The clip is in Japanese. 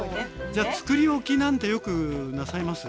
じゃ作り置きなんてよくなさいます？